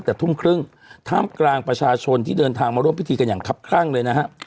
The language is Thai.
แต่ทุ่มครึ่งท่ามกลางประชาชนที่เดินทางมาร่วมพิธีกันอย่างครับคลั่งเลยนะฮะ